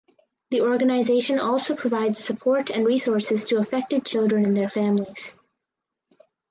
The organization also provides support and resources to affected children and their families.